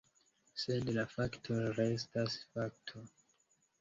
Sed la fakto restas fakto.